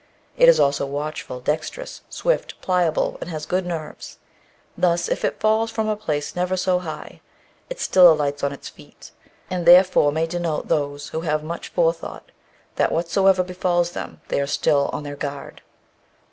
It is also watchful, dexterous, swift, pliable, and has good nerves thus, if it falls from a place never so high, it still alights on its feet; and therefore may denote those who have much forethought, that whatsoever befalls them they are still on their guard."